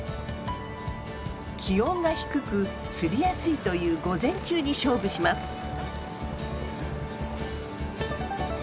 気温が低く釣りやすいという午前中に勝負します。